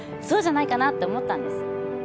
そうじゃないかなって思ったんです。